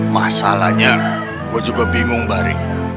masalahnya gue juga bingung bari